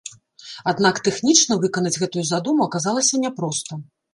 Аднак тэхнічна выканаць гэтую задуму аказалася няпроста.